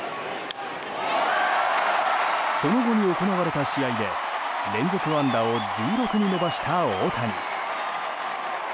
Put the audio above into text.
その後に行われた試合で連続安打を１６に伸ばした大谷。